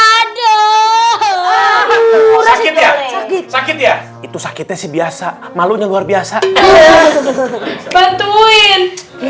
aduh sakit ya sakit ya itu sakitnya sih biasa malunya luar biasa bantuin